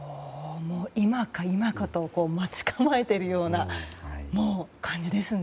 今か今かと待ち構えているような感じですね。